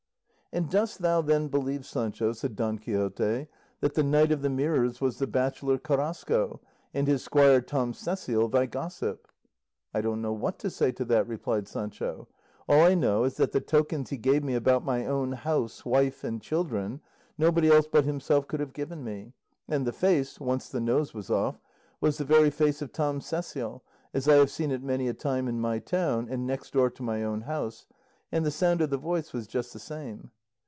"And dost thou, then, believe, Sancho," said Don Quixote, "that the Knight of the Mirrors was the bachelor Carrasco, and his squire Tom Cecial thy gossip?" "I don't know what to say to that," replied Sancho; "all I know is that the tokens he gave me about my own house, wife and children, nobody else but himself could have given me; and the face, once the nose was off, was the very face of Tom Cecial, as I have seen it many a time in my town and next door to my own house; and the sound of the voice was just the same."